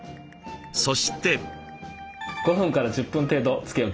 そして。